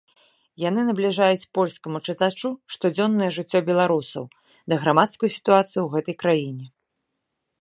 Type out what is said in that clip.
Яны набліжаюць польскаму чытачу штодзённае жыццё беларусаў ды грамадскую сітуацыю ў гэтай краіне.